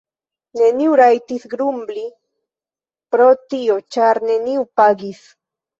Neniu rajtis grumbli pro tio, ĉar neniu pagis.